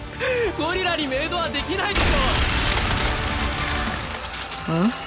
ゴリラにメイドはできないでしょあ？